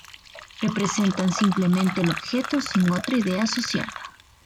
Representan simplemente el objeto, sin otra idea asociada.